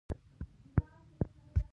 کاناډا د هوا فضا صنعت لري.